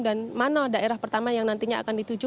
dan mana daerah pertama yang nantinya akan dituju